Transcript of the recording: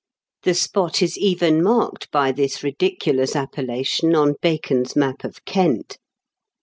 The spot is even marked by this ridiculous appellation on Bacon's map of Kent.